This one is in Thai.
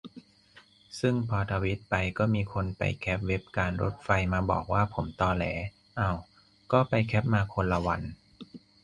ซึ่งพอทวีตไป ก็มีคนไปแคปเว็บการรถไฟมาบอกว่าผมตอแหล เอ้า ก็ไปแคปมาคนละวัน